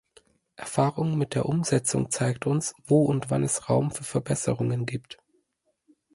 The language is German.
Erfahrung mit der Umsetzung zeigt uns, wo und wann es Raum für Verbesserungen gibt.